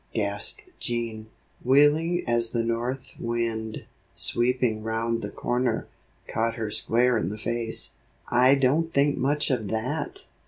gasped Jean, wheeling as the north wind, sweeping round the corner, caught her square in the face. "I don't think much of that!